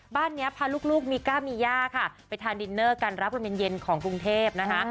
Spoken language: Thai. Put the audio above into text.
บ้านนี้พาลูกมีก้ามีย่าค่ะไปทานดินเนอร์กันรับวันเย็นของกรุงเทพนะคะ